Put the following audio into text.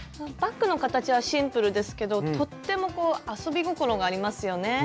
バッグの形はシンプルですけどとっても遊び心がありますよね。